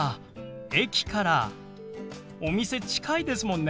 駅からお店近いですもんね。